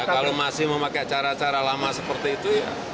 kalau masih memakai cara cara lama seperti itu